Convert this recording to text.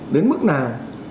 đến mức nào